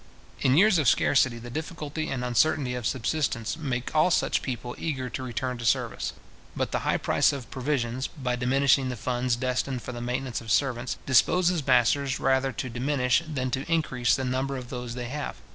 In years of scarcity, the difficulty and uncertainty of subsistence make all such people eager to return to service. But the high price of provisions, by diminishing the funds destined for the maintenance of servants, disposes masters rather to diminish than to increase the number of those they have.